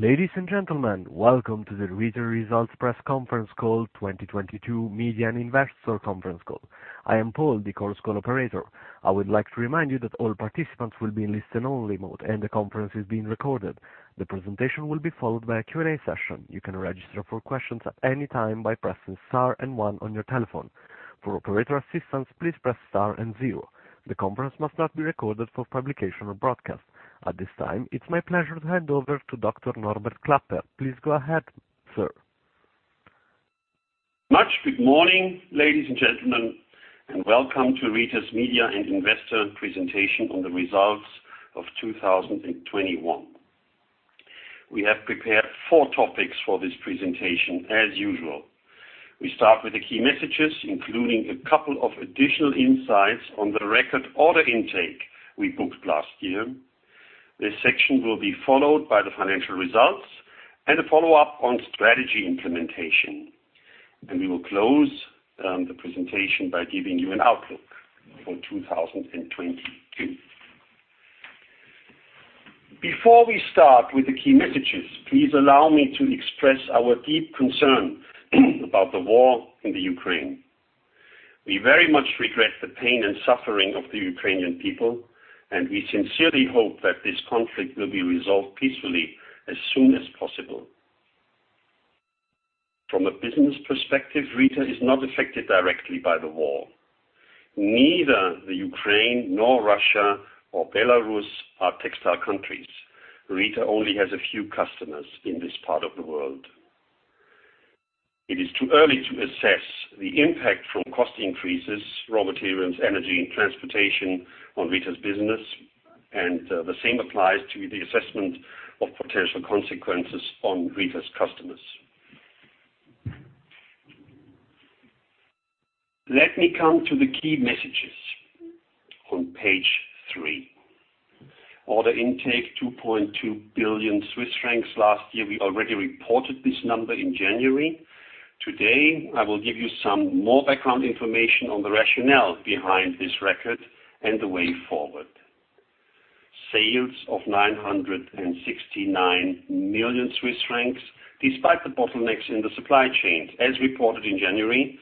Ladies and gentlemen, welcome to the Rieter Results Press Conference Call 2022 Media and Investor Conference Call. I am Paul, the Chorus Call operator. I would like to remind you that all participants will be in listen-only mode, and the conference is being recorded. The presentation will be followed by a Q&A session. You can register for questions at any time by pressing Star and One on your telephone. For operator assistance, please press Star and Zero. The conference must not be recorded for publication or broadcast. At this time, it's my pleasure to hand over to Dr. Norbert Klapper. Please go ahead, sir. Good morning, ladies and gentlemen, and welcome to Rieter's Media and Investor Presentation on the Results of 2021. We have prepared four topics for this presentation as usual. We start with the key messages, including a couple of additional insights on the record order intake we booked last year. This section will be followed by the financial results and a follow-up on strategy implementation. Then we will close the presentation by giving you an outlook for 2022. Before we start with the key messages, please allow me to express our deep concern about the war in Ukraine. We very much regret the pain and suffering of the Ukrainian people, and we sincerely hope that this conflict will be resolved peacefully as soon as possible. From a business perspective, Rieter is not affected directly by the war. Neither Ukraine nor Russia or Belarus are textile countries. Rieter only has a few customers in this part of the world. It is too early to assess the impact from cost increases, raw materials, energy and transportation on Rieter's business, and the same applies to the assessment of potential consequences on Rieter's customers. Let me come to the key messages on page three. Order intake, 2.2 billion Swiss francs last year. We already reported this number in January. Today, I will give you some more background information on the rationale behind this record and the way forward. Sales of 969 million Swiss francs despite the bottlenecks in the supply chain. As reported in January,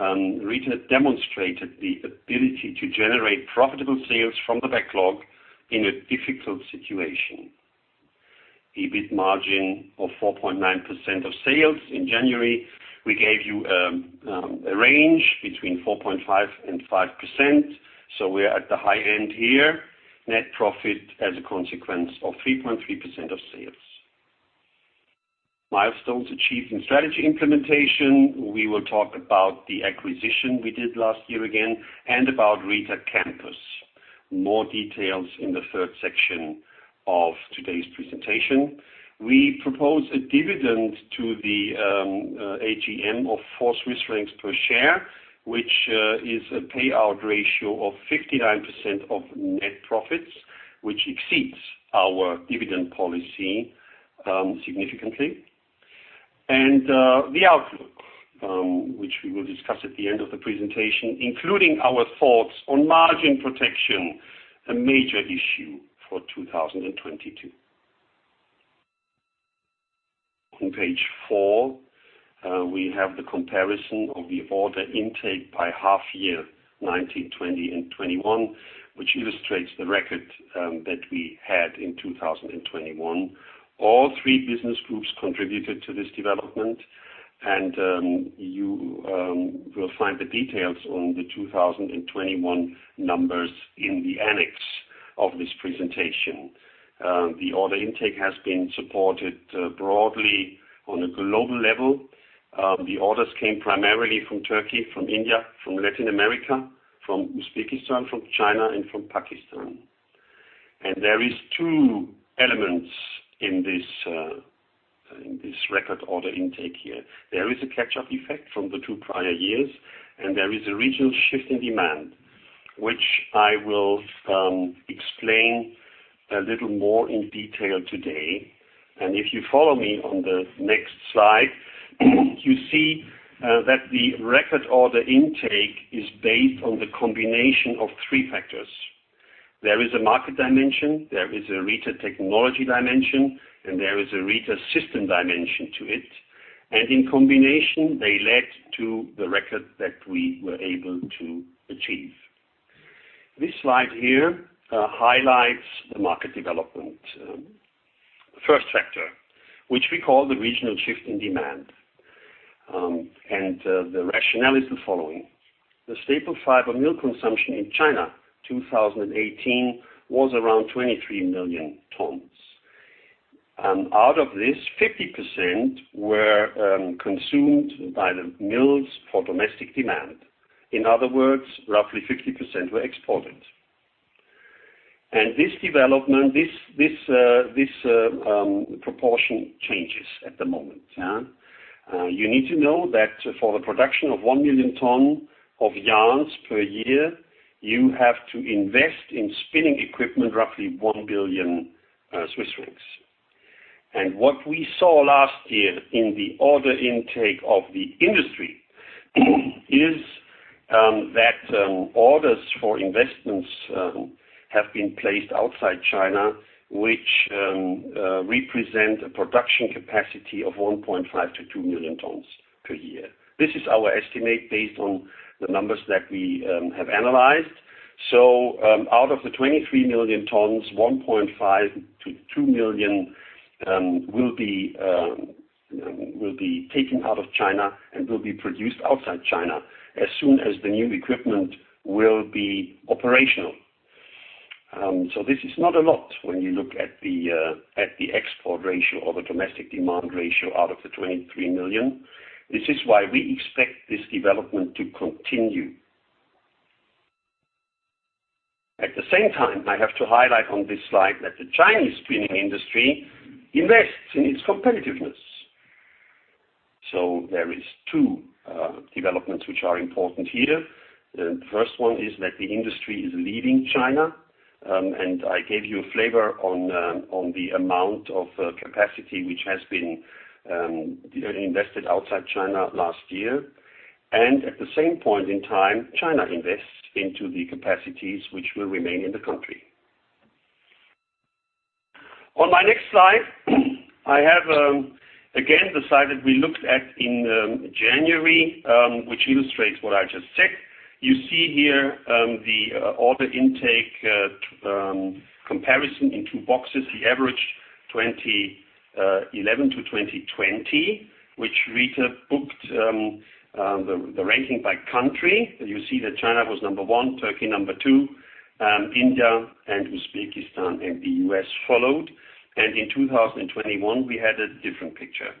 Rieter demonstrated the ability to generate profitable sales from the backlog in a difficult situation. EBIT margin of 4.9% of sales. In January, we gave you a range of 4.5%-5%, so we are at the high end here. Net profit as a consequence of 3.3% of sales. Milestones achieved in strategy implementation. We will talk about the acquisition we did last year again and about Rieter Campus. More details in the third section of today's presentation. We propose a dividend to the AGM of 4 Swiss francs per share, which is a payout ratio of 59% of net profits, which exceeds our dividend policy significantly. The outlook, which we will discuss at the end of the presentation, including our thoughts on margin protection, a major issue for 2022. On page four, we have the comparison of the order intake by half year, 2019, 2020, and 2021, which illustrates the record that we had in 2021. All three business groups contributed to this development, and you will find the details on the 2021 numbers in the annex of this presentation. The order intake has been supported broadly on a global level. The orders came primarily from Turkey, from India, from Latin America, from Uzbekistan, from China, and from Pakistan. There is two elements in this record order intake here. There is a catch-up effect from the two prior years, and there is a regional shift in demand, which I will explain a little more in detail today. If you follow me on the next slide, you see that the record order intake is based on the combination of three factors. There is a market dimension, there is a Rieter technology dimension, and there is a Rieter system dimension to it. In combination, they led to the record that we were able to achieve. This slide here highlights the market development. First factor, which we call the regional shift in demand. The rationale is the following: the staple fiber mill consumption in China, 2018 was around 23 million tons. Out of this, 50% were consumed by the mills for domestic demand. In other words, roughly 50% were exported. This development, this proportion changes at the moment, yeah. You need to know that for the production of 1 million tons of yarn per year, you have to invest in spinning equipment roughly 1 billion Swiss francs. What we saw last year in the order intake of the industry is that orders for investments have been placed outside China, which represent a production capacity of 1.5 million-2 million tons per year. This is our estimate based on the numbers that we have analyzed. Out of the 23 million tons, 1.5 million-2 million will be taken out of China and will be produced outside China as soon as the new equipment will be operational. This is not a lot when you look at the export ratio or the domestic demand ratio out of the 23 million. This is why we expect this development to continue. At the same time, I have to highlight on this slide that the Chinese spinning industry invests in its competitiveness. There is two developments which are important here. The first one is that the industry is leaving China, and I gave you a flavor on the amount of capacity which has been invested outside China last year. At the same point in time, China invest into the capacities which will remain in the country. On my next slide, I have again the slide that we looked at in January, which illustrates what I just said. You see here, the order intake comparison in two boxes, the average 2011 to 2020, which Rieter booked, the ranking by country. You see that China was number one, Turkey number two, India and Uzbekistan and the U.S. followed. In 2021, we had a different picture.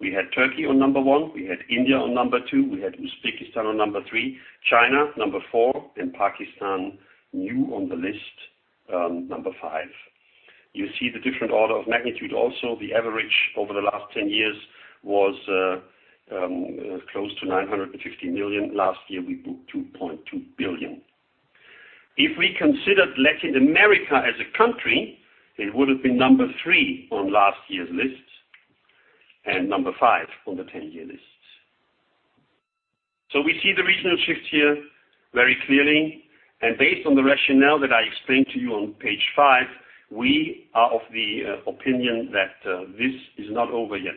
We had Turkey on number one, we had India on number two, we had Uzbekistan on number three, China number four, and Pakistan new on the list, number five. You see the different order of magnitude also. The average over the last ten years was close to 950 million. Last year, we booked 2.2 billion. If we considered Latin America as a country, it would have been number three, on last year's list and number five on the ten-year lists. We see the regional shift here very clearly, and based on the rationale that I explained to you on page five, we are of the opinion that this is not over yet.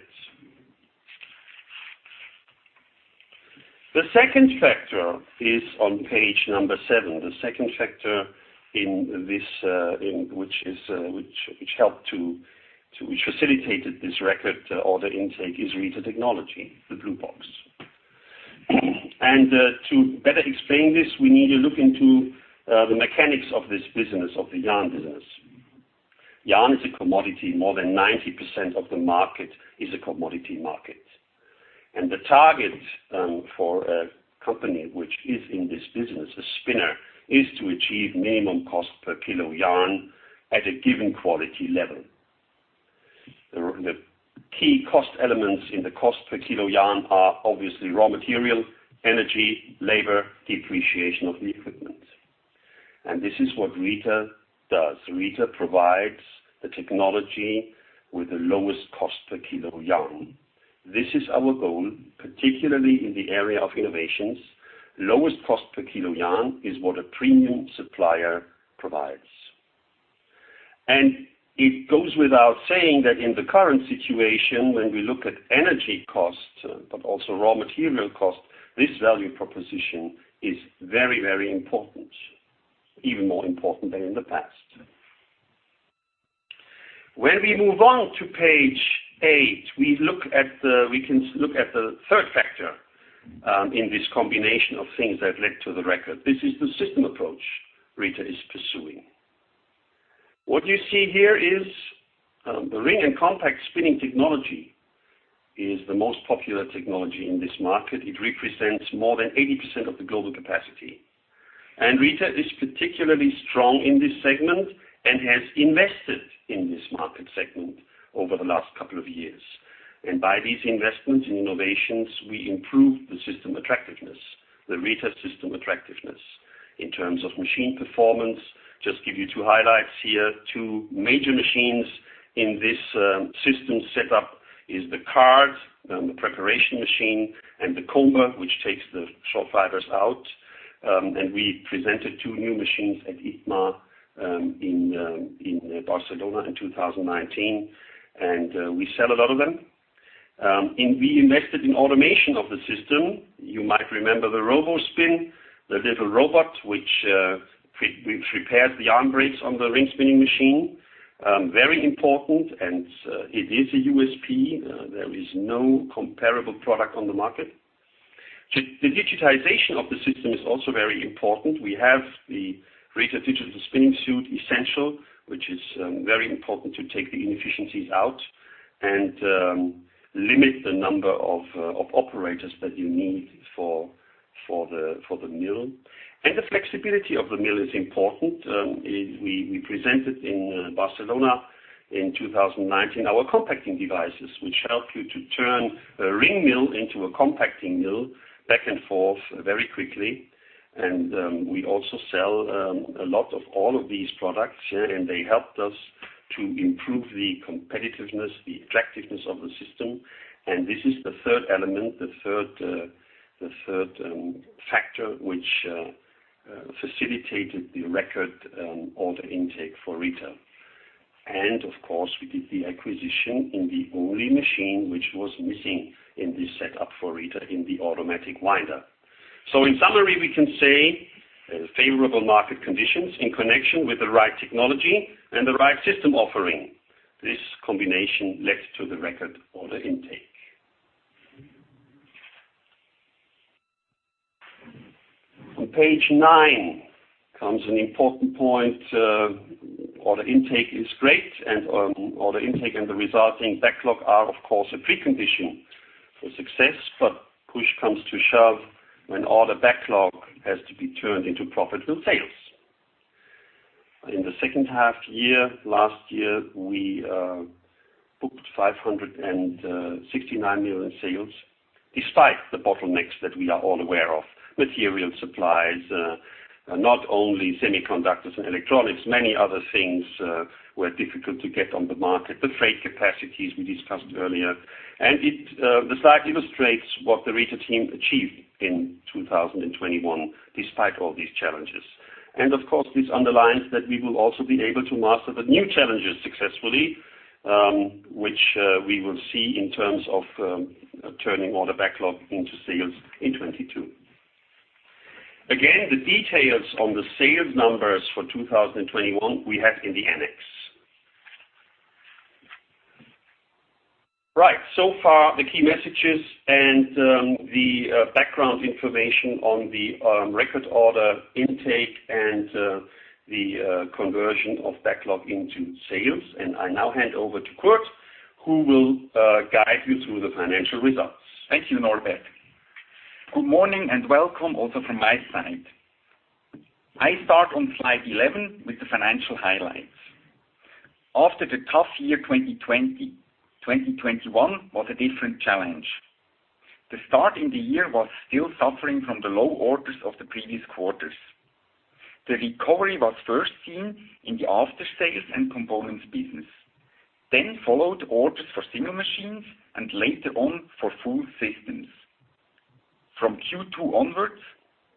The second factor is on page number seven. The second factor, which facilitated this record order intake, is Rieter technology, the blue box. To better explain this, we need to look into the mechanics of this business, of the yarn business. Yarn is a commodity. More than 90% of the market is a commodity market. The target for a company which is in this business, a spinner, is to achieve minimum cost per kilo yarn at a given quality level. The key cost elements in the cost per kilo yarn are obviously raw material, energy, labor, depreciation of the equipment. This is what Rieter does. Rieter provides the technology with the lowest cost per kilo yarn. This is our goal, particularly in the area of innovations. Lowest cost per kilo yarn is what a premium supplier provides. It goes without saying that in the current situation, when we look at energy costs, but also raw material cost, this value proposition is very, very important, even more important than in the past. When we move on to page eight, we can look at the third factor in this combination of things that led to the record. This is the system approach Rieter is pursuing. What you see here is, the ring and compact spinning technology is the most popular technology in this market. It represents more than 80% of the global capacity. Rieter is particularly strong in this segment and has invested in this market segment over the last couple of years. By these investments in innovations, we improve the system attractiveness, the Rieter system attractiveness in terms of machine performance. Just give you two highlights here. Two major machines in this, system setup is the card, the preparation machine, and the comber, which takes the short fibers out. We presented two new machines at ITMA in Barcelona in 2019, and we sell a lot of them. We invested in automation of the system. You might remember the ROBOspin, the little robot which repairs the yarn breaks on the ring spinning machine. Very important and it is a USP. There is no comparable product on the market. The digitization of the system is also very important. We have the Rieter Digital Spinning Suite ESSENTIAL, which is very important to take the inefficiencies out and limit the number of operators that you need for the mill. The flexibility of the mill is important. We presented in Barcelona in 2019 our compacting devices, which help you to turn a ring mill into a compacting mill back and forth very quickly. We also sell a lot of all of these products, and they helped us to improve the competitiveness, the attractiveness of the system. This is the third element, the third factor which facilitated the record order intake for Rieter. Of course, we did the acquisition in the only machine which was missing in this setup for Rieter in the automatic winder. In summary, we can say the favorable market conditions in connection with the right technology and the right system offering, this combination led to the record order intake. On page nine comes an important point, order intake is great and order intake and the resulting backlog are, of course, a precondition for success. Push comes to shove when order backlog has to be turned into profitable sales. In the second half year, last year, we booked 569 million in sales, despite the bottlenecks that we are all aware of. Material supplies, not only semiconductors and electronics, many other things, were difficult to get on the market. The freight capacities we discussed earlier. The slide illustrates what the Rieter team achieved in 2021, despite all these challenges. Of course, this underlines that we will also be able to master the new challenges successfully, which we will see in terms of turning order backlog into sales in 2022. Again, the details on the sales numbers for 2021, we have in the annex. Right. So far, the key messages and the background information on the record order intake and the conversion of backlog into sales. I now hand over to Kurt, who will guide you through the financial results. Thank you, Norbert. Good morning and welcome also from my side. I start on slide 11 with the financial highlights. After the tough year 2020, 2021 was a different challenge. The start in the year was still suffering from the low orders of the previous quarters. The recovery was first seen in the after sales and components business. Then followed orders for single machines, and later on for full systems. From Q2 onwards,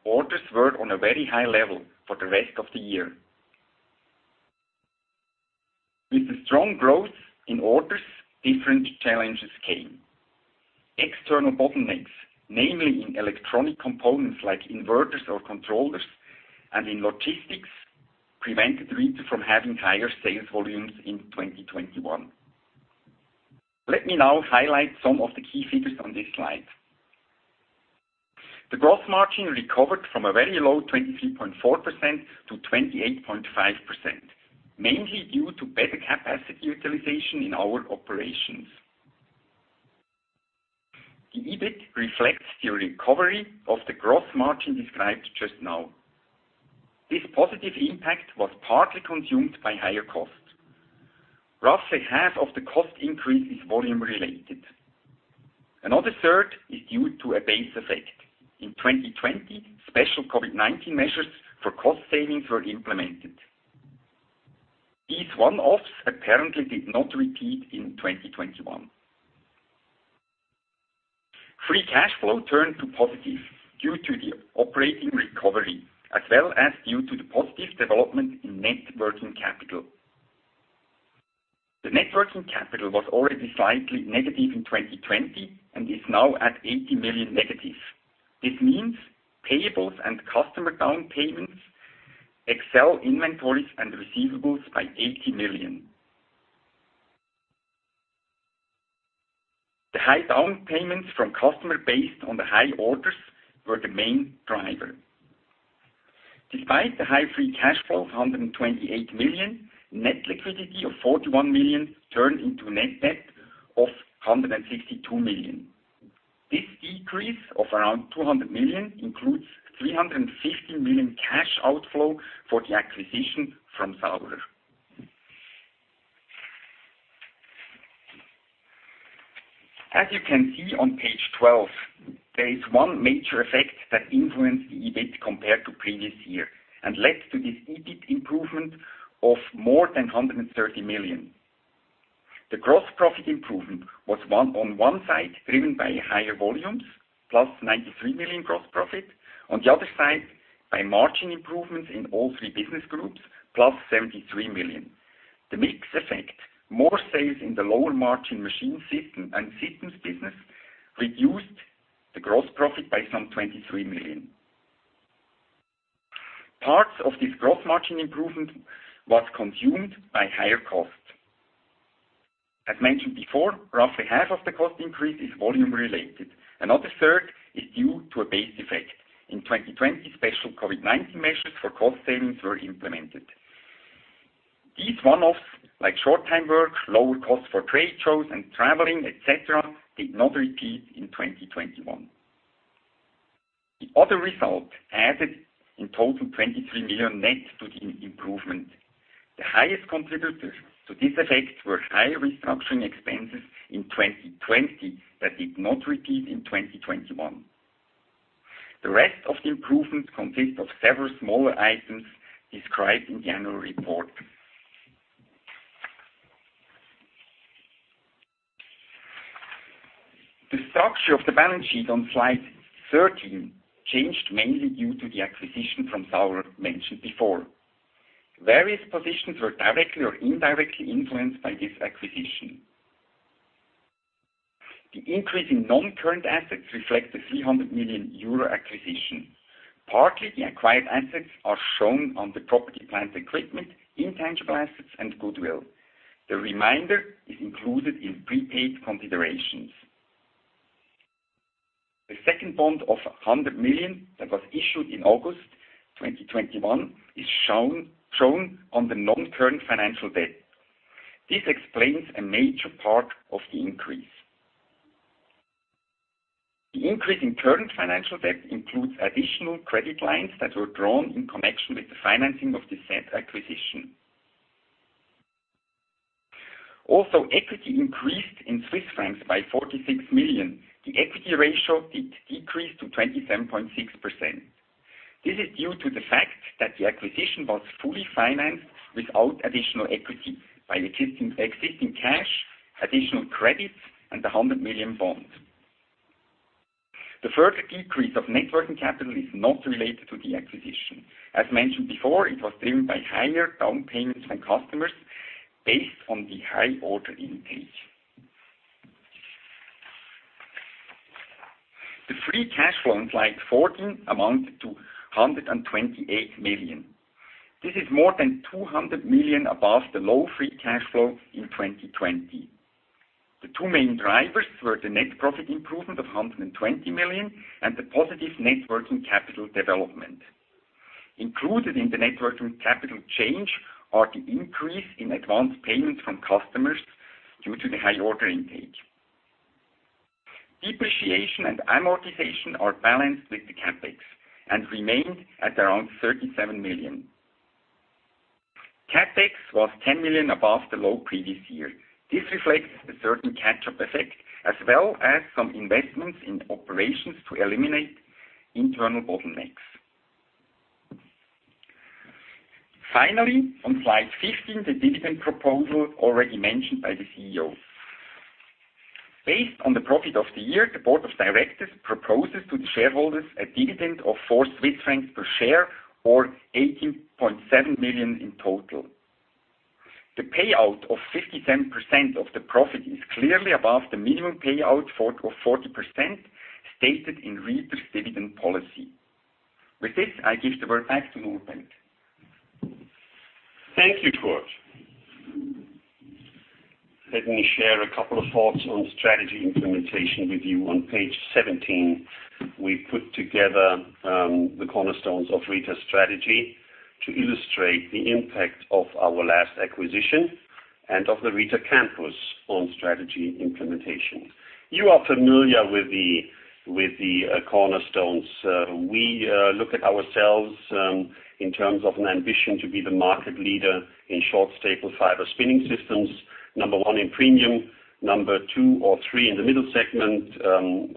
orders were on a very high level for the rest of the year. With the strong growth in orders, different challenges came. External bottlenecks, namely in electronic components like inverters or controllers, and in logistics, prevented Rieter from having higher sales volumes in 2021. Let me now highlight some of the key figures on this slide. The gross margin recovered from a very low 23.4% to 28.5%, mainly due to better capacity utilization in our operations. The EBIT reflects the recovery of the gross margin described just now. This positive impact was partly consumed by higher costs. Roughly half of the cost increase is volume-related. Another third is due to a base effect. In 2020, special COVID-19 measures for cost savings were implemented. These one-offs apparently did not repeat in 2021. Free cash flow turned to positive due to the operating recovery, as well as due to the positive development in net working capital. The net working capital was already slightly negative in 2020, and is now at -80 million. This means payables and customer down payments exceed inventories and receivables by 80 million. The high down payments from customers based on the high orders were the main driver. Despite the high free cash flow of 128 million, net liquidity of 41 million turned into net debt of 162 million. This decrease of around 200 million includes 350 million cash outflow for the acquisition from Saurer. As you can see on page 12, there is one major effect that influenced the EBIT compared to previous year and led to this EBIT improvement of more than 130 million. The gross profit improvement was, on one side, driven by higher volumes, plus 93 million gross profit. On the other side, by margin improvements in all three business groups, +73 million. The mix effect, more sales in the lower margin machine system and systems business reduced the gross profit by some 23 million. Parts of this gross margin improvement was consumed by higher costs. As mentioned before, roughly half of the cost increase is volume-related. Another third is due to a base effect. In 2020, special COVID-19 measures for cost savings were implemented. These one-offs, like short-time work, lower costs for trade shows and traveling, et cetera, did not repeat in 2021. The other result added in total 23 million net to the improvement. The highest contributor to this effect were higher restructuring expenses in 2020 that did not repeat in 2021. The rest of the improvement consist of several smaller items described in the annual report. The structure of the balance sheet on slide 13 changed mainly due to the acquisition from Saurer mentioned before. Various positions were directly or indirectly influenced by this acquisition. The increase in non-current assets reflect the 300 million euro acquisition. Partly, the acquired assets are shown on the property, plant, equipment, intangible assets and goodwill. The remainder is included in deferred considerations. The second bond of 100 million that was issued in August 2021 is shown on the non-current financial debt. This explains a major part of the increase. The increase in current financial debt includes additional credit lines that were drawn in connection with the financing of the said acquisition. Also, equity increased in Swiss francs by 46 million. The equity ratio did decrease to 27.6%. This is due to the fact that the acquisition was fully financed without additional equity by existing cash, additional credits and the 100 million bond. The further decrease of net working capital is not related to the acquisition. As mentioned before, it was driven by higher down payments from customers based on the high order intake. The free cash flow on slide 14 amounted to 128 million. This is more than 200 million above the low free cash flow in 2020. The two main drivers were the net profit improvement of 120 million and the positive net working capital development. Included in the net working capital change are the increase in advance payments from customers due to the high order intake. Depreciation and amortization are balanced with the CapEx and remained at around 37 million. CapEx was 10 million above the low previous year. This reflects a certain catch-up effect as well as some investments in operations to eliminate internal bottlenecks. Finally, on slide 15, the dividend proposal already mentioned by the CEO. Based on the profit of the year, the Board of Directors proposes to the shareholders a dividend of 4 Swiss francs per share or 18.7 million in total. The payout of 57% of the profit is clearly above the minimum payout of 40% stated in Rieter's dividend policy. With this, I give the word back to Norbert. Thank you, Kurt. Let me share a couple of thoughts on strategy implementation with you. On page 17, we put together the cornerstones of Rieter's strategy to illustrate the impact of our last acquisition and of the Rieter Campus on strategy implementation. You are familiar with the cornerstones. We look at ourselves in terms of an ambition to be the market leader in short-staple fiber spinning systems. Number one in premium, number two or three in the middle segment,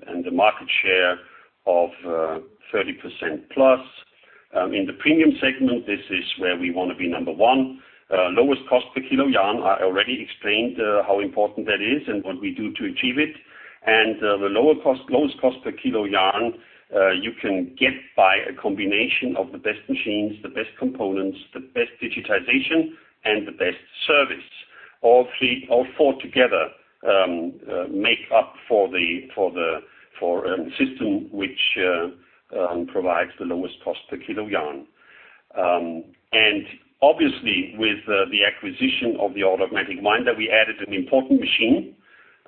and a market share of 30%+. In the premium segment, this is where we wanna be number one. Lowest cost per kilo yarn. I already explained how important that is and what we do to achieve it. Lowest cost per kilo yarn you can get by a combination of the best machines, the best components, the best digitization, and the best service. All four together make up the system which provides the lowest cost per kilo yarn. Obviously, with the acquisition of the automatic winder, we added an important machine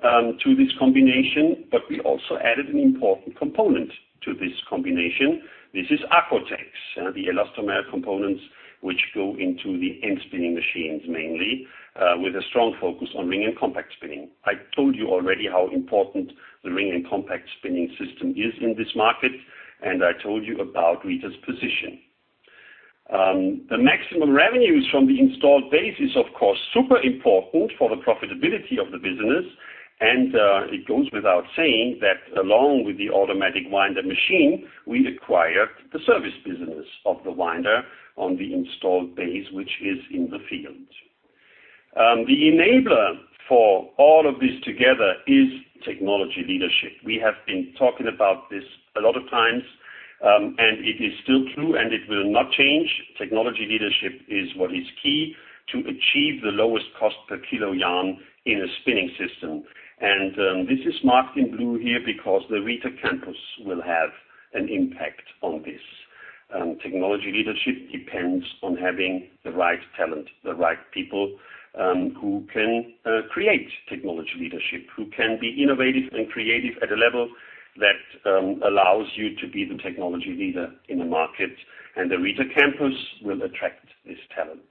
to this combination, but we also added an important component to this combination. This is Accotex, the elastomer components which go into the ring spinning machines mainly with a strong focus on ring and compact spinning. I told you already how important the ring and compact spinning system is in this market, and I told you about Rieter's position. The maximum revenues from the installed base is, of course, super important for the profitability of the business. It goes without saying that along with the automatic winder machine, we'd acquired the service business of the winder on the installed base, which is in the field. The enabler for all of this together is technology leadership. We have been talking about this a lot of times, and it is still true, and it will not change. Technology leadership is what is key to achieve the lowest cost per kilo yarn in a spinning system. This is marked in blue here because the Rieter Campus will have an impact on this. Technology leadership depends on having the right talent, the right people, who can create technology leadership, who can be innovative and creative at a level that allows you to be the technology leader in the market. The Rieter Campus will attract this talent.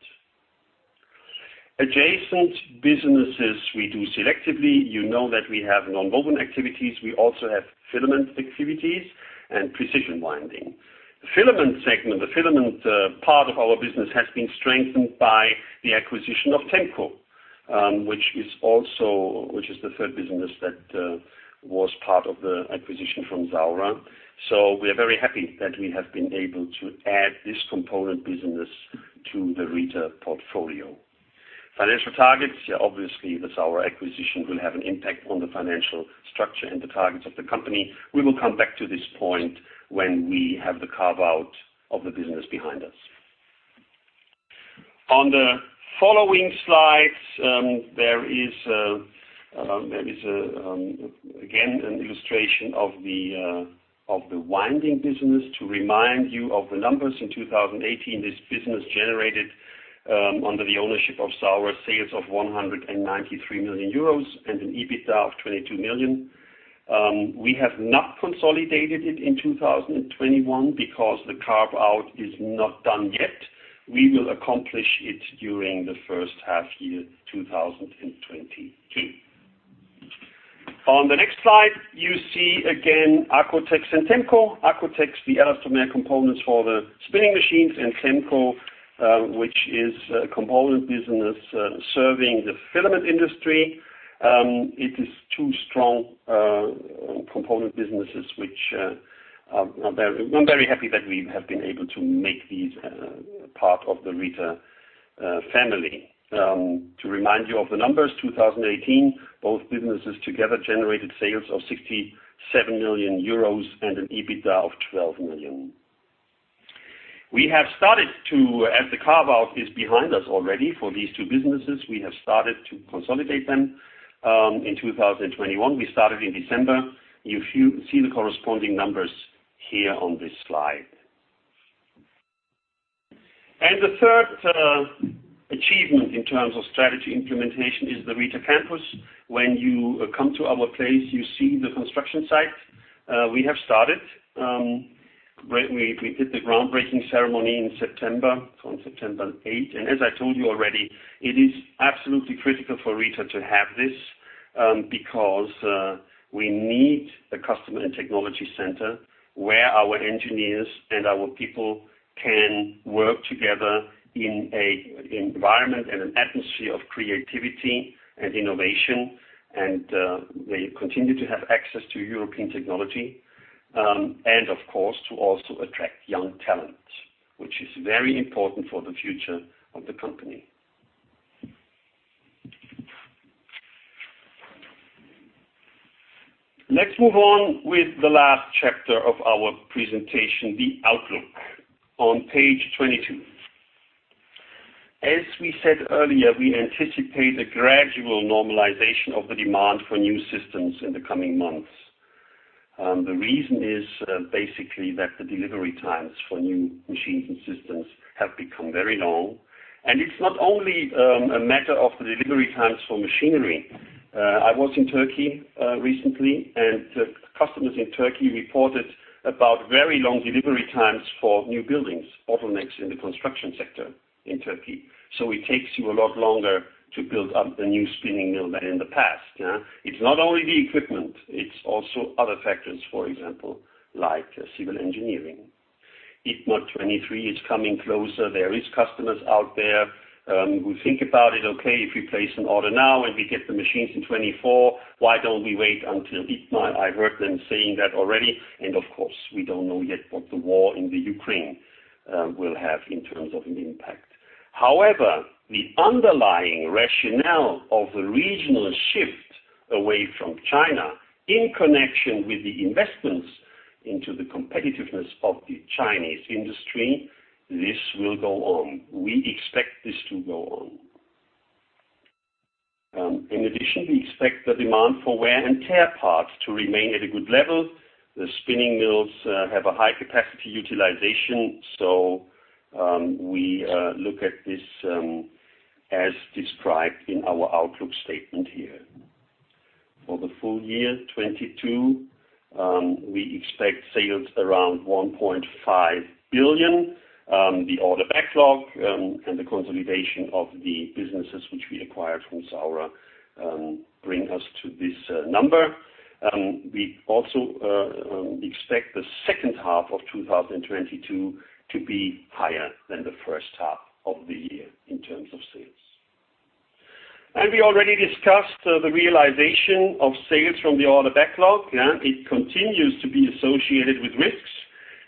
Adjacent businesses we do selectively. You know that we have nonwoven activities. We also have filament activities and precision winding. The filament segment, part of our business has been strengthened by the acquisition of Temco, which is the third business that was part of the acquisition from Saurer. We are very happy that we have been able to add this component business to the Rieter portfolio. Financial targets. Yeah, obviously, the Saurer acquisition will have an impact on the financial structure and the targets of the company. We will come back to this point when we have the carve-out of the business behind us. On the following slides, there is again an illustration of the winding business. To remind you of the numbers, in 2018, this business generated under the ownership of Saurer sales of 193 million euros and an EBITDA of 22 million. We have not consolidated it in 2021 because the carve-out is not done yet. We will accomplish it during the first half of 2022. On the next slide, you see again Accotex and Temco. Accotex, the elastomer components for the spinning machines, and Temco, which is a component business serving the filament industry. It is two strong component businesses which are very... I'm very happy that we have been able to make these part of the Rieter family. To remind you of the numbers, 2018, both businesses together generated sales of 67 million euros and an EBITDA of 12 million. We have started to consolidate them, as the carve-out is behind us already for these two businesses, in 2021. We started in December. You see the corresponding numbers here on this slide. The third achievement in terms of strategy implementation is the Rieter Campus. When you come to our place, you see the construction site. We have started when we did the groundbreaking ceremony in September, on September 8th. As I told you already, it is absolutely critical for Rieter to have this, because we need a customer and technology center where our engineers and our people can work together in a environment and an atmosphere of creativity and innovation, and where you continue to have access to European technology, and of course, to also attract young talent, which is very important for the future of the company. Let's move on with the last chapter of our presentation, the outlook on page 22. As we said earlier, we anticipate a gradual normalization of the demand for new systems in the coming months. The reason is basically that the delivery times for new machines and systems have become very long. It's not only a matter of the delivery times for machinery. I was in Turkey, recently, and customers in Turkey reported about very long delivery times for new buildings, bottlenecks in the construction sector in Turkey. It takes you a lot longer to build up a new spinning mill than in the past, yeah? It's not only the equipment, it's also other factors, for example, like civil engineering. ITMA 2023 is coming closer. There are customers out there who think about it, "Okay, if we place an order now and we get the machines in 2024, why don't we wait until ITMA?" I've heard them saying that already. Of course, we don't know yet what the war in the Ukraine will have in terms of an impact. However, the underlying rationale of the regional shift away from China in connection with the investments into the competitiveness of the Chinese industry, this will go on. We expect this to go on. In addition, we expect the demand for wear and tear parts to remain at a good level. The spinning mills have a high capacity utilization, so we look at this as described in our outlook statement here. For the full year 2022, we expect sales around 1.5 billion. The order backlog and the consolidation of the businesses which we acquired from Saurer bring us to this number. We also expect the second half of 2022 to be higher than the first half of the year in terms of sales. We already discussed the realization of sales from the order backlog, yeah. It continues to be associated with risks.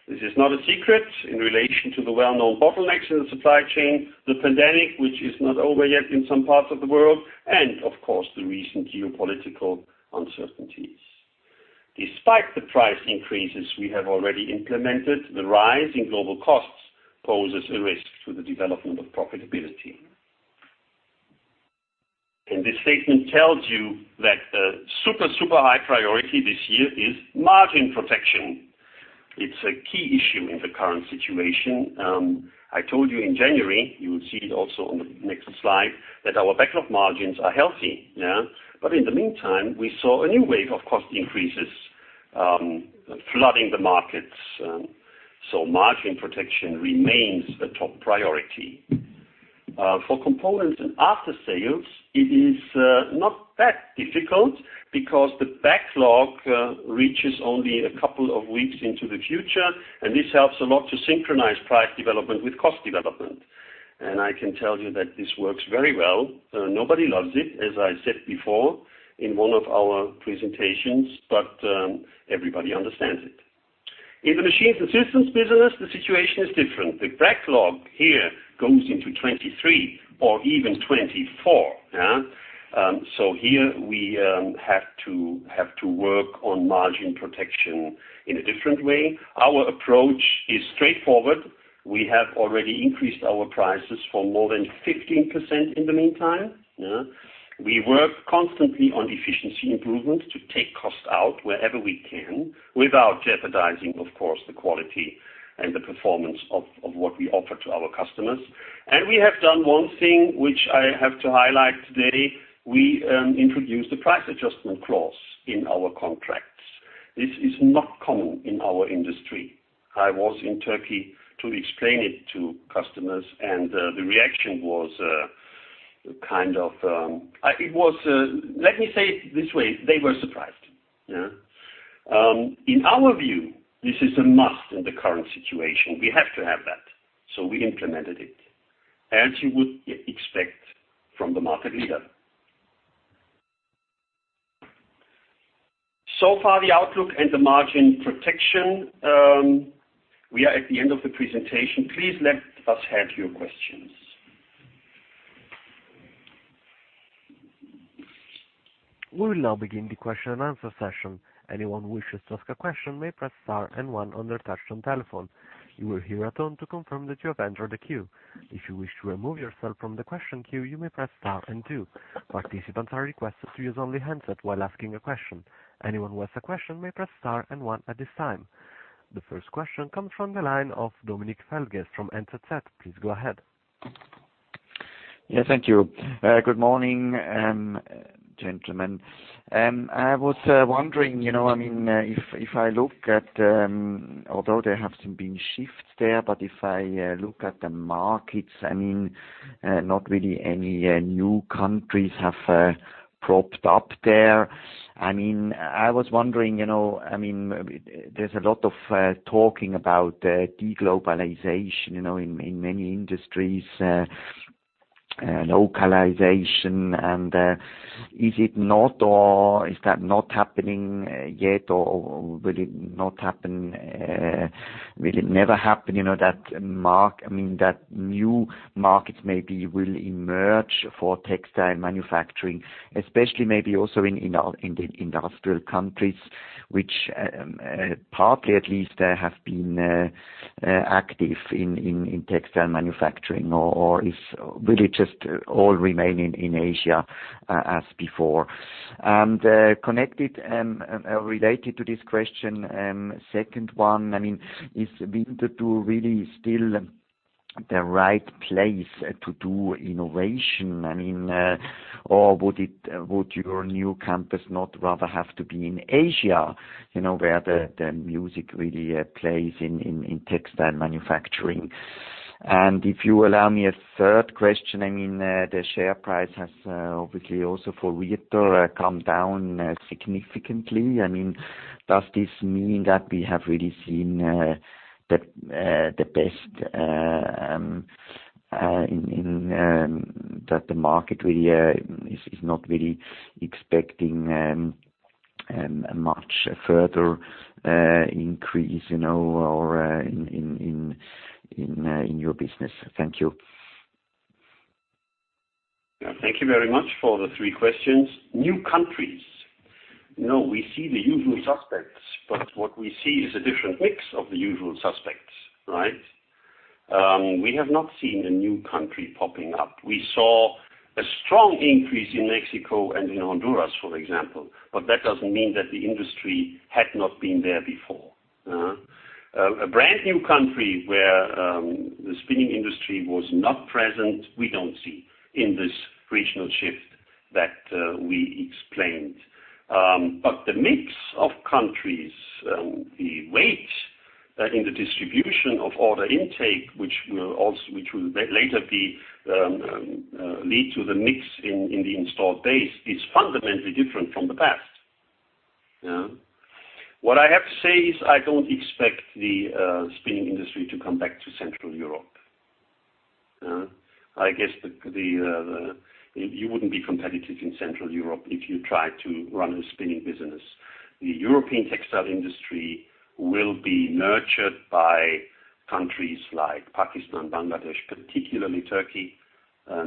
This is not a secret in relation to the well-known bottlenecks in the supply chain, the pandemic, which is not over yet in some parts of the world, and of course, the recent geopolitical uncertainties. Despite the price increases we have already implemented, the rise in global costs poses a risk to the development of profitability. This statement tells you that a super high priority this year is margin protection. It's a key issue in the current situation. I told you in January, you will see it also on the next slide, that our backlog margins are healthy, yeah? In the meantime, we saw a new wave of cost increases, flooding the markets, so margin protection remains the top priority. For components and after sales, it is not that difficult because the backlog reaches only a couple of weeks into the future, and this helps a lot to synchronize price development with cost development. I can tell you that this works very well. Nobody loves it, as I said before in one of our presentations, but everybody understands it. In the machines and systems business, the situation is different. The backlog here goes into 2023 or even 2024. So here we have to work on margin protection in a different way. Our approach is straightforward. We have already increased our prices for more than 15% in the meantime. We work constantly on efficiency improvements to take costs out wherever we can without jeopardizing, of course, the quality and the performance of what we offer to our customers. We have done one thing, which I have to highlight today. We introduced a price adjustment clause in our contracts. This is not common in our industry. I was in Turkey to explain it to customers, and the reaction was. Let me say it this way. They were surprised, yeah. In our view, this is a must in the current situation. We have to have that, so we implemented it as you would expect from the market leader. So far, the outlook and the margin protection. We are at the end of the presentation. Please let us have your questions. We will now begin the question and answer session. Anyone who wishes to ask a question may press star and one on their touch-tone telephone. You will hear a tone to confirm that you have entered the queue. If you wish to remove yourself from the question queue, you may press star and two. Participants are requested to use only handset while asking a question. Anyone who has a question may press star and one at this time. The first question comes from the line of Dominik Felges from NZZ. Please go ahead. Yes. Thank you. Good morning, gentlemen. I was wondering, you know, I mean, if I look at, although there have some been shifts there, but if I look at the markets, I mean, not really any new countries have propped up there. I mean, I was wondering, you know, I mean, there's a lot of talking about de-globalization, you know, in many industries, localization. Is it not or is that not happening yet, or will it not happen, will it never happen, you know, that new markets maybe will emerge for textile manufacturing, especially maybe also in the industrial countries, which partly at least have been active in textile manufacturing, or will it just all remain in Asia as before? Connected and related to this question, second one, I mean, is Winterthur really still the right place to do innovation? I mean, or would your new campus not rather have to be in Asia, you know, where the music really plays in textile manufacturing? If you allow me a third question. I mean, the share price has obviously also for Rieter come down significantly. I mean, does this mean that we have really seen the best in that the market really is not really expecting much further increase, you know, or in your business. Thank you. Yeah. Thank you very much for the three questions. New countries. No, we see the usual suspects, but what we see is a different mix of the usual suspects, right? We have not seen a new country popping up. We saw a strong increase in Mexico and in Honduras, for example, but that doesn't mean that the industry had not been there before. A brand new country where the spinning industry was not present, we don't see in this regional shift that we explained. The mix of countries, the weight in the distribution of order intake, which will later lead to the mix in the installed base, is fundamentally different from the past. Yeah. What I have to say is I don't expect the spinning industry to come back to Central Europe. I guess you wouldn't be competitive in Central Europe if you try to run a spinning business. The European textile industry will be nurtured by countries like Pakistan, Bangladesh, particularly Turkey,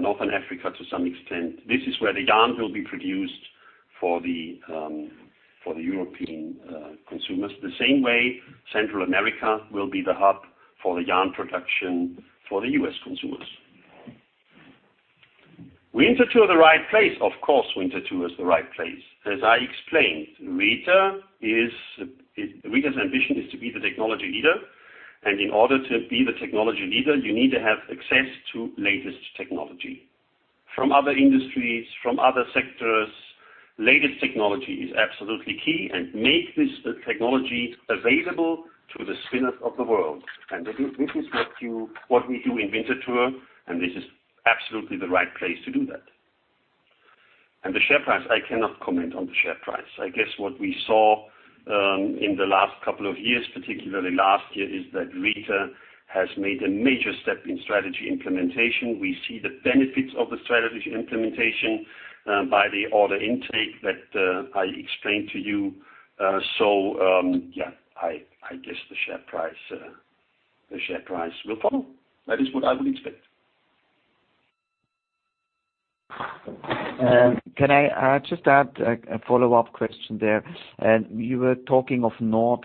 North Africa to some extent. This is where the yarn will be produced for the European consumers. The same way Central America will be the hub for the yarn production for the U.S. consumers. Is Winterthur the right place? Of course, Winterthur is the right place. As I explained, Rieter's ambition is to be the technology leader. In order to be the technology leader, you need to have access to latest technology from other industries, from other sectors. Latest technology is absolutely key and make this technology available to the spinners of the world. This is what we do in Winterthur, and this is absolutely the right place to do that. The share price, I cannot comment on the share price. I guess what we saw in the last couple of years, particularly last year, is that Rieter has made a major step in strategy implementation. We see the benefits of the strategy implementation by the order intake that I explained to you. I guess the share price will follow. That is what I would expect. Can I just add a follow-up question there? You were talking of North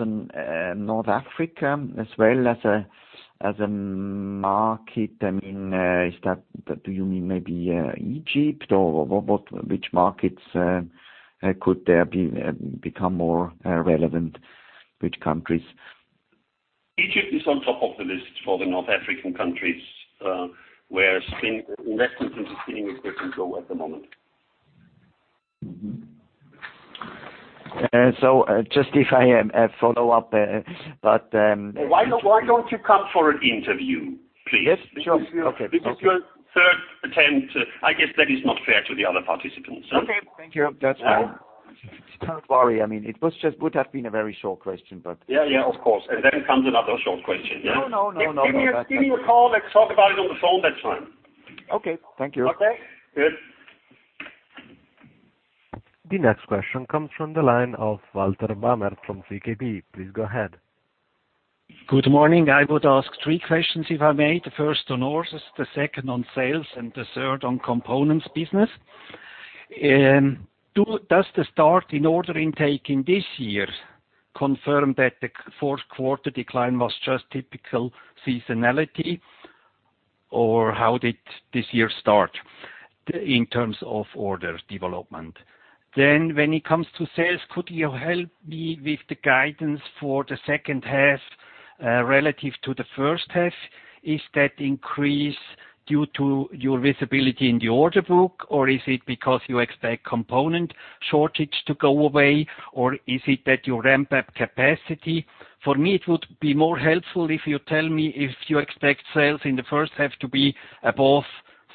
Africa as well as a market. I mean, is that? Do you mean maybe Egypt or what? Which markets could become more relevant? Which countries? Egypt is on top of the list for the North African countries, where investments in spinning equipment go at the moment. Just to follow up. Why don't you come for an interview, please? Yes, sure. Okay. Because your third attempt, I guess that is not fair to the other participants. Okay, thank you. That's fine. Yeah. Don't worry. I mean, it would have been a very short question, but- Yeah, of course. Comes another short question, yeah. No. Give me a call. Let's talk about it on the phone that time. Okay. Thank you. Okay. Good. The next question comes from the line of Walter Bamert from ZKB. Please go ahead. Good morning. I would ask three questions if I may. The first on orders, the second on sales, and the third on components business. Does the start in order intake in this year confirm that the fourth quarter decline was just typical seasonality, or how did this year start in terms of order development? When it comes to sales, could you help me with the guidance for the second half, relative to the first half? Is that increase due to your visibility in the order book, or is it because you expect component shortage to go away, or is it that you ramp up capacity? For me, it would be more helpful if you tell me if you expect sales in the first half to be above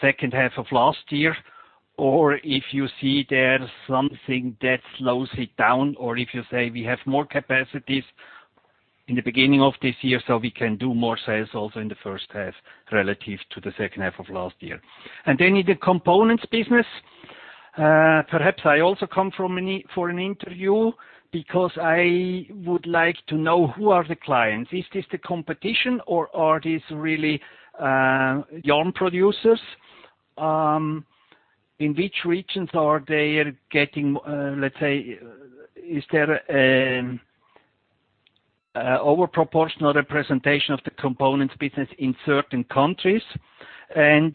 second half of last year, or if you see there something that slows it down, or if you say, "We have more capacities in the beginning of this year, so we can do more sales also in the first half relative to the second half of last year." In the components business, perhaps I also come in for an interview because I would like to know who are the clients. Is this the competition or are these really yarn producers? In which regions are they getting, let's say, is there over proportional representation of the components business in certain countries?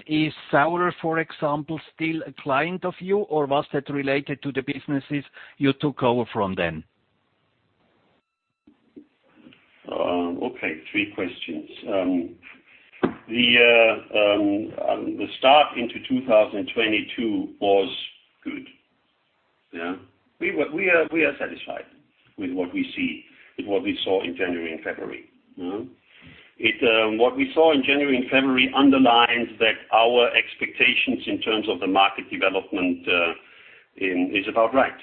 Is Saurer, for example, still a client of you, or was that related to the businesses you took over from them? Okay, three questions. The start into 2022 was good. Yeah. We are satisfied with what we saw in January and February. What we saw in January and February underlines that our expectations in terms of the market development is about right.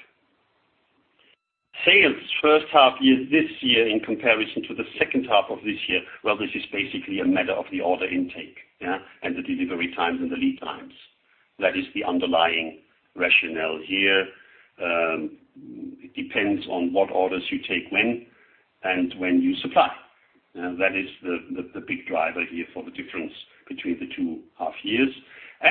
Sales first half year this year in comparison to the second half of this year. Well, this is basically a matter of the order intake, yeah, and the delivery times and the lead times. That is the underlying rationale here. It depends on what orders you take when and when you supply. That is the big driver here for the difference between the two half years.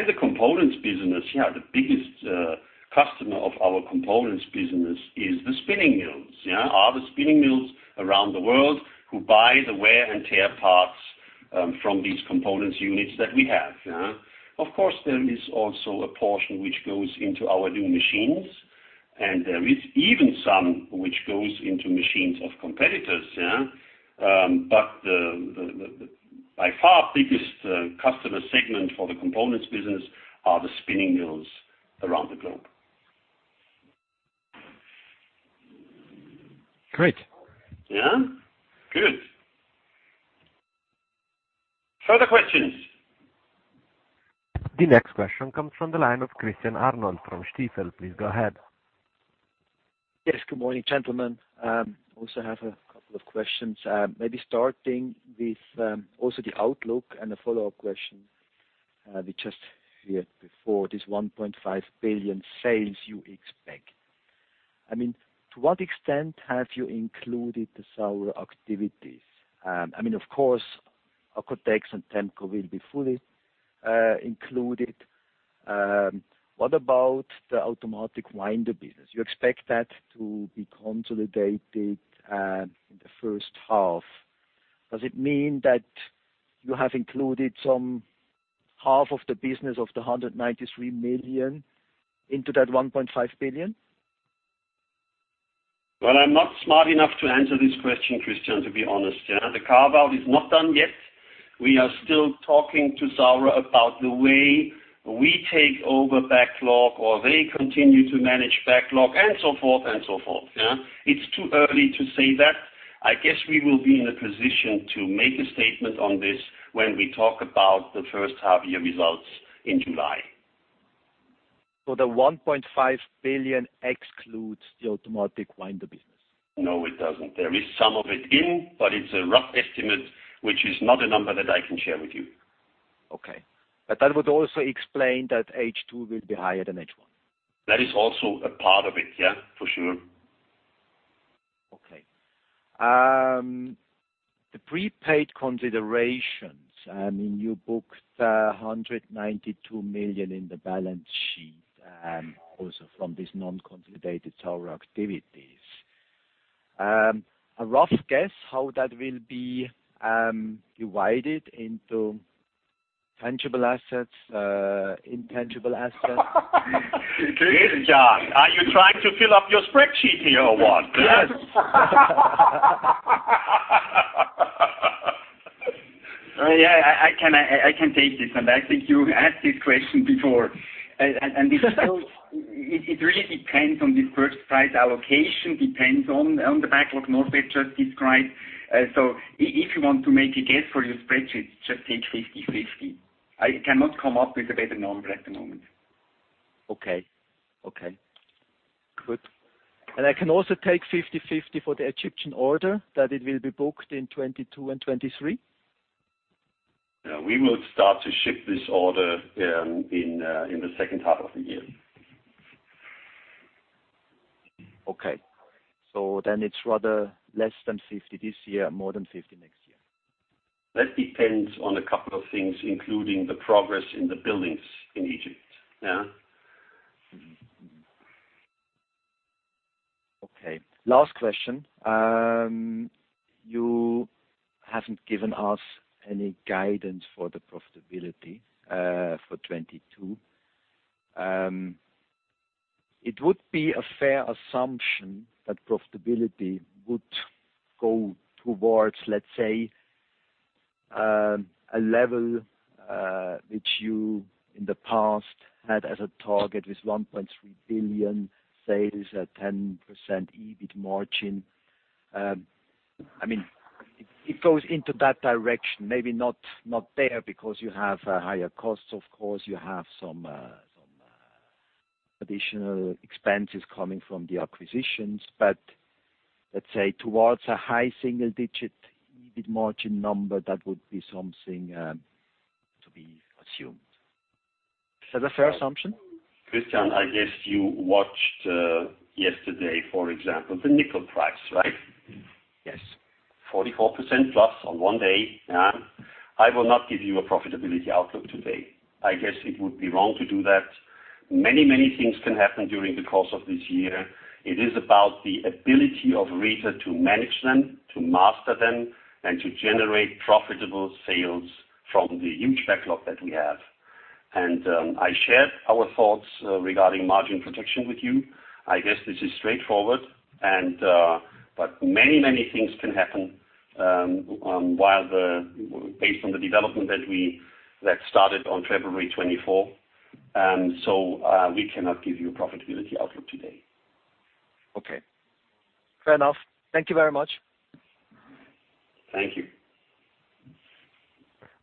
The components business, the biggest customer of our components business is the spinning mills around the world who buy the wear and tear parts from these components units that we have. Of course, there is also a portion which goes into our new machines, and there is even some which goes into machines of competitors. But the by far biggest customer segment for the components business are the spinning mills around the globe. Great. Yeah. Good. Further questions. The next question comes from the line of Christian Arnold from Stifel. Please go ahead. Yes. Good morning, gentlemen. I also have a couple of questions. Maybe starting with the outlook and a follow-up question we just heard before, this 1.5 billion sales you expect. I mean, to what extent have you included the Saurer activities? I mean, of course, Accotex and Temco will be fully included. What about the automatic winder business? You expect that to be consolidated in the first half. Does it mean that you have included some half of the business of the 193 million into that 1.5 billion? Well, I'm not smart enough to answer this question, Christian, to be honest. Yeah. The carve-out is not done yet. We are still talking to Saurer about the way we take over backlog, or they continue to manage backlog and so forth, and so forth, yeah. It's too early to say that. I guess we will be in a position to make a statement on this when we talk about the first half year results in July. The 1.5 billion excludes the automatic winder business? No, it doesn't. There is some of it in, but it's a rough estimate, which is not a number that I can share with you. Okay. That would also explain that H2 will be higher than H1. That is also a part of it, yeah, for sure. Okay. The deferred considerations, I mean, you booked 192 million in the balance sheet, also from these non-consolidated Saurer activities. A rough guess how that will be divided into tangible assets, intangible assets? Christian, are you trying to fill up your spreadsheet here or what? Yes. Yeah, I can take this. I think you asked this question before. It really depends on the purchase price allocation. It depends on the backlog Norbert just described. If you want to make a guess for your spreadsheet, just take 50/50. I cannot come up with a better number at the moment. Okay, good. I can also take 50/50 for the Egyptian order, that it will be booked in 2022 and 2023? Yeah. We will start to ship this order in the second half of the year. Okay. It's rather less than 50 this year, more than 50 next year. That depends on a couple of things, including the progress in the buildings in Egypt. Yeah. Okay. Last question. You haven't given us any guidance for the profitability for 2022. It would be a fair assumption that profitability would go towards, let's say, a level which you in the past had as a target, with 1.3 billion sales at 10% EBIT margin. I mean, it goes into that direction. Maybe not there because you have higher costs, of course. You have some additional expenses coming from the acquisitions. Let's say towards a high single digit EBIT margin number, that would be something to be assumed. Is that a fair assumption? Christian, I guess you watched yesterday, for example, the nickel price, right? Yes. 44%+ on one day. Yeah. I will not give you a profitability outlook today. I guess it would be wrong to do that. Many, many things can happen during the course of this year. It is about the ability of Rieter to manage them, to master them, and to generate profitable sales from the huge backlog that we have. I shared our thoughts regarding margin protection with you. I guess this is straightforward and but many, many things can happen while based on the development that started on February 24, 2024. We cannot give you a profitability outlook today. Okay, fair enough. Thank you very much. Thank you.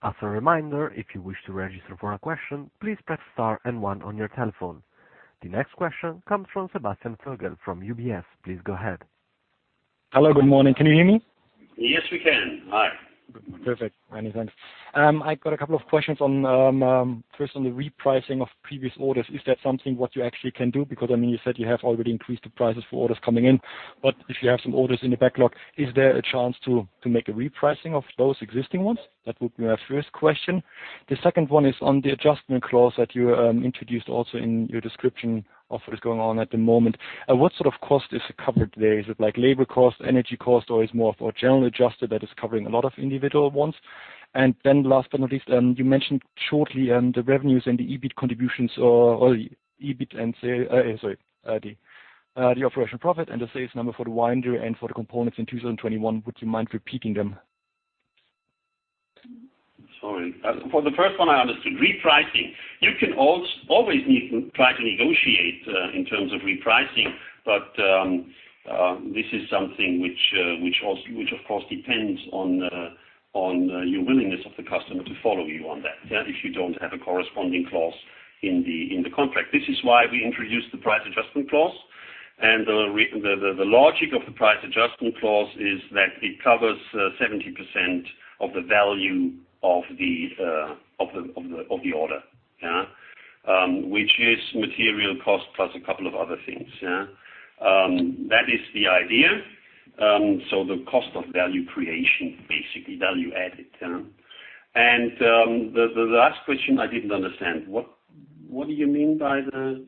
As a reminder, if you wish to register for a question, please press star and one on your telephone. The next question comes from Sebastian Vogel from UBS. Please go ahead. Hello, good morning. Can you hear me? Yes, we can. Hi. Good morning. Perfect. Many thanks. I've got a couple of questions on first on the repricing of previous orders. Is that something what you actually can do? Because, I mean, you said you have already increased the prices for orders coming in. But if you have some orders in the backlog, is there a chance to make a repricing of those existing ones? That would be my first question. The second one is on the adjustment clause that you introduced also in your description of what is going on at the moment. What sort of cost is covered there? Is it like labor cost, energy cost, or is it more for general adjustment that is covering a lot of individual ones? Last but not least, you mentioned shortly the revenues and the EBIT contributions or the operational profit and the sales number for the winder and for the components in 2021. Would you mind repeating them? Sorry. For the first one, I understood. Repricing. You can always try to negotiate in terms of repricing. This is something which of course depends on your willingness of the customer to follow you on that. If you don't have a corresponding clause in the contract. This is why we introduced the price adjustment clause. The logic of the price adjustment clause is that it covers 70% of the value of the order. Which is material cost plus a couple of other things. That is the idea. The cost of value creation, basically value added. The last question I didn't understand. What do you mean by the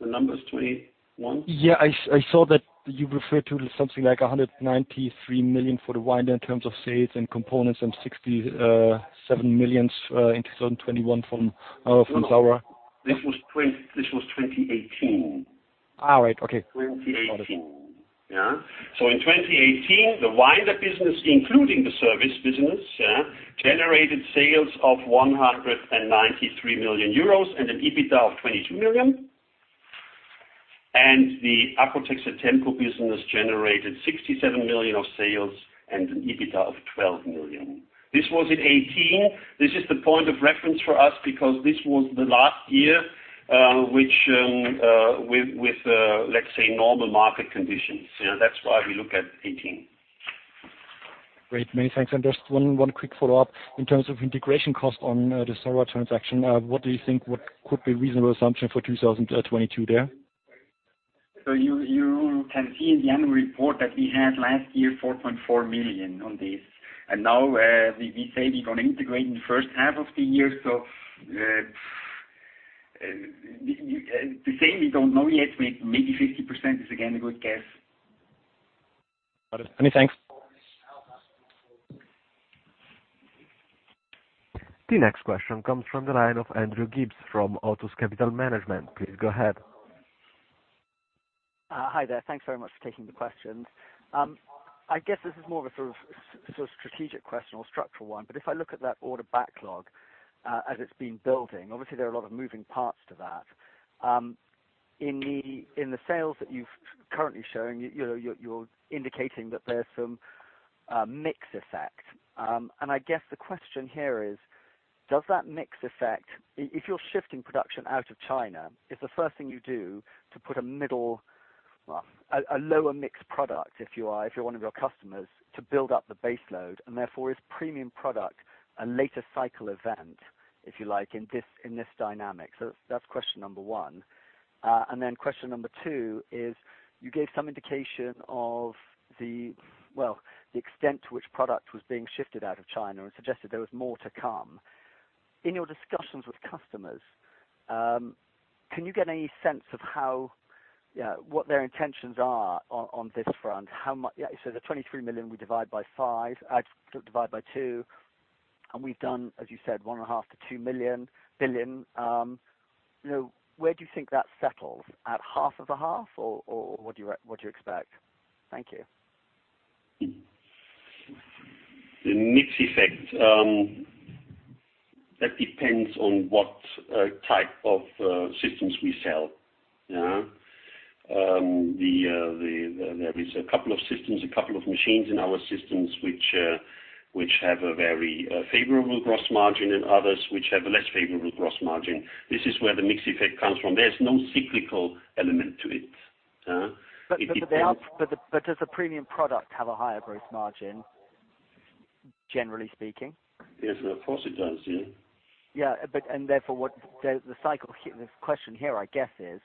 numbers 2021? Yeah. I saw that you referred to something like 193 million for the winder in terms of sales and components and 67 million in 2021 from Saurer. This was 2018. Right. Okay. 2018. In 2018, the Winder business, including the service business, generated sales of 193 million euros and an EBITDA of 22 million. The Accotex Temco business generated 67 million of sales and an EBITDA of 12 million. This was in 2018. This is the point of reference for us because this was the last year which with let's say normal market conditions. That's why we look at 2018. Great. Many thanks. Just one quick follow-up. In terms of integration cost on the Saurer transaction, what do you think could be a reasonable assumption for 2022 there? You can see in the annual report that we had last year, 4.4 million on this. Now, we say we're gonna integrate in the first half of the year. The same we don't know yet. Maybe 50% is again a good guess. Got it. Many thanks. The next question comes from the line of Andrew Gibbs from Otus Capital Management. Please go ahead. Hi there. Thanks very much for taking the questions. I guess this is more of a sort of strategic question or structural one, but if I look at that order backlog, as it's been building, obviously there are a lot of moving parts to that. In the sales that you've currently shown, you know, you're indicating that there's some mix effect. I guess the question here is, does that mix effect. If you're shifting production out of China, is the first thing you do to put a middle, well, a lower mix product, if you're one of your customers, to build up the base load, and therefore is premium product a later cycle event, if you like, in this dynamic. That's question number one. Question number two is, you gave some indication of the, well, the extent to which product was being shifted out of China and suggested there was more to come. In your discussions with customers, can you get any sense of how, you know, what their intentions are on this front? The 23 million, we divide by five, divide by two. We've done, as you said, 1.5 billion-2 billion. You know, where do you think that settles? At half of a half or what do you expect? Thank you. The mix effect, that depends on what type of systems we sell. Yeah. There is a couple of systems, a couple of machines in our systems which have a very favorable gross margin, and others which have a less favorable gross margin. This is where the mix effect comes from. There's no cyclical element to it. They are. It depends. Does the premium product have a higher gross margin, generally speaking? Yes. Of course it does, yeah. The question here, I guess, is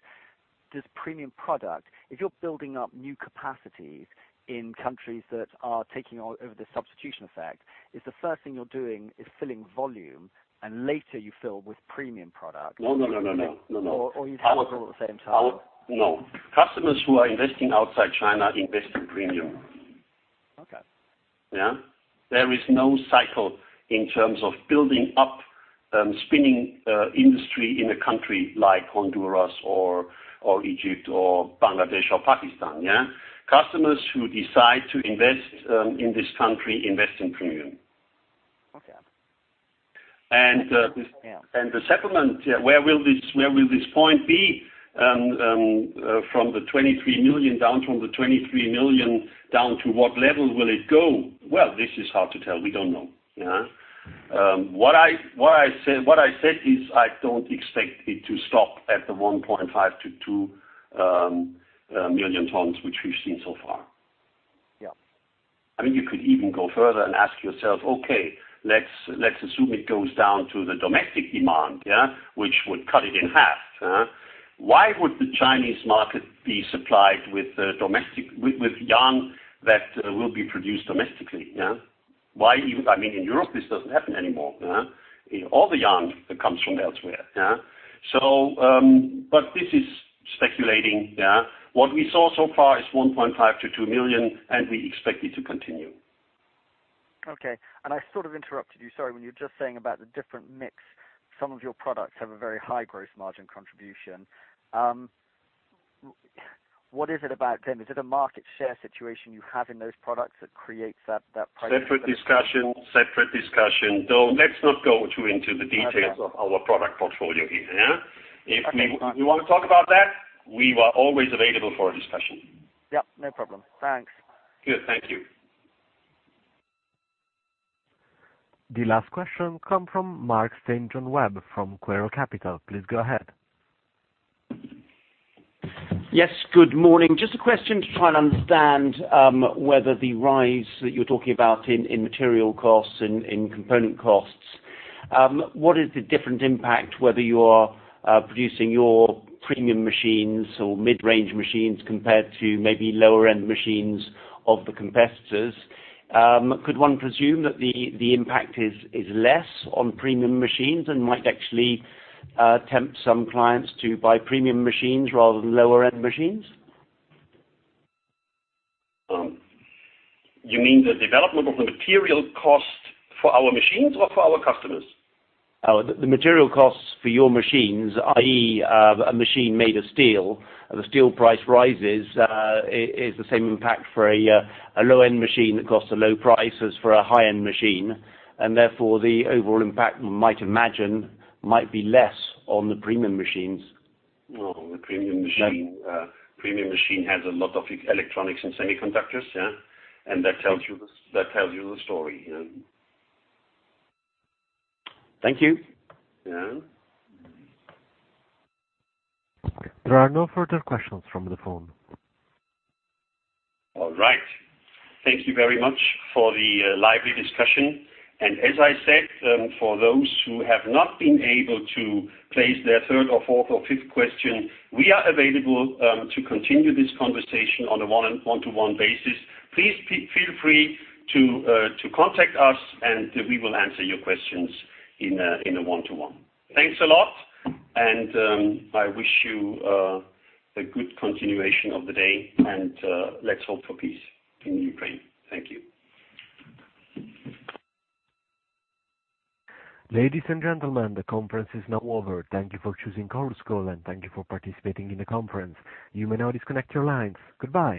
does premium product, if you're building up new capacities in countries that are taking over the substitution effect, is the first thing you're doing is filling volume and later you fill with premium product? No. You do it all at the same time? No, customers who are investing outside China invest in premium. Okay. Yeah. There is no cycle in terms of building up spinning industry in a country like Honduras or Egypt or Bangladesh or Pakistan, yeah. Customers who decide to invest in this country invest in premium. Okay. And, uh- Yeah. The settlement, where will this point be from the 23 million down to what level will it go? Well, this is hard to tell. We don't know. What I said is I don't expect it to stop at the 1.5 million-2 million tons, which we've seen so far. Yeah. I mean, you could even go further and ask yourself, okay, let's assume it goes down to the domestic demand, yeah, which would cut it in half. Why would the Chinese market be supplied with domestic yarn that will be produced domestically, yeah? I mean, in Europe, this doesn't happen anymore. Yeah. All the yarn comes from elsewhere. Yeah. But this is speculating. Yeah. What we saw so far is 1.5 million-2 million, and we expect it to continue. Okay. I sort of interrupted you, sorry, when you were just saying about the different mix. Some of your products have a very high gross margin contribution. What is it about them? Is it a market share situation you have in those products that creates that price- Separate discussion. No, let's not go too into the details. Okay. of our product portfolio here, yeah? Okay, fine. If you wanna talk about that, we are always available for a discussion. Yeah, no problem. Thanks. Good. Thank you. The last question comes from Marc Saint-John Webb from Quaero Capital. Please go ahead. Yes, good morning. Just a question to try and understand whether the rise that you're talking about in material costs and in component costs what is the different impact whether you are producing your premium machines or mid-range machines compared to maybe lower end machines of the competitors? Could one presume that the impact is less on premium machines and might actually tempt some clients to buy premium machines rather than lower end machines? You mean the development of the material cost for our machines or for our customers? The material costs for your machines, i.e., a machine made of steel. The steel price rise is the same impact for a low-end machine that costs a low price as for a high-end machine, and therefore the overall impact, one might imagine, might be less on the premium machines. Well, the premium machine. Yeah. Premium machine has a lot of electronics and semiconductors, yeah. That tells you the story, you know. Thank you. Yeah. There are no further questions from the phone. All right. Thank you very much for the lively discussion. As I said, for those who have not been able to place their third or fourth or fifth question, we are available to continue this conversation on a one-to-one basis. Please feel free to contact us, and we will answer your questions in a one-to-one. Thanks a lot. I wish you a good continuation of the day, and let's hope for peace in Ukraine. Thank you. Ladies and gentlemen, the conference is now over. Thank you for choosing Chorus Call, and thank you for participating in the conference. You may now disconnect your lines. Goodbye.